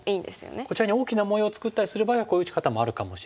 こちらに大きな模様を作ったりする場合はこういう打ち方もあるかもしれないんですけども。